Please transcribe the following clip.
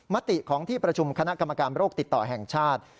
มติของที่ประชุมคณะกรรมการโรคติดต่อแห่งชาติ